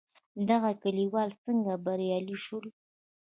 دغه کليوال څنګه بريالي شول؟